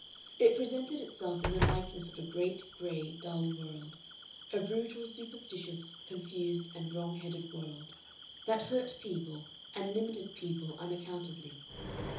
It presented itself in the likeness of a great, gray, dull world a brutal, superstitious, confused, and wrong headed world, that hurt people and limited people unaccountably.